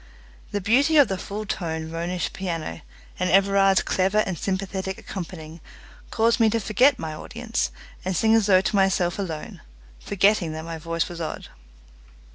The beauty of the full toned Ronisch piano, and Everard's clever and sympathetic accompanying, caused me to forget my audience, and sing as though to myself alone, forgetting that my voice was odd.